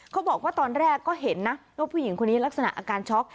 เขาบอกว่าตอนแรกก็เห็นนะว่าผู้หญิงคนนี้ลักษณะอาการช็อก